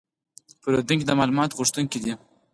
پیرودونکي د معلوماتو غوښتونکي دي.